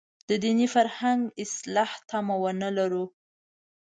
د دیني فرهنګ اصلاح تمه ونه لرو.